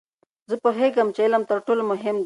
زه پوهیږم چې علم تر ټولو مهم دی.